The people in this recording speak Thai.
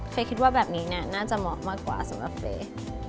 คิดว่าแบบนี้เนี่ยน่าจะเหมาะมากกว่าสำหรับเฟย์